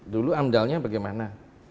dulu amdalnya bagaimana